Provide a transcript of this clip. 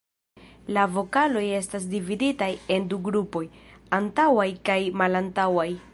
La vokaloj estas dividitaj en du grupoj: antaŭaj kaj malantaŭaj.